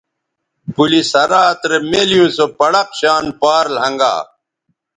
پلِ صراط رے مِیلیوں سو پڑق شان پار لھنگا